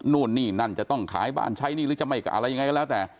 นู่นนี่นั่นจะต้องขายบ้านใช้หนี้หรือจะไม่อะไรยังไงก็แล้วแต่